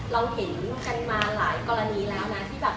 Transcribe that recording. เราเห็นกันมาหลายกรณีแล้วนะที่แบบ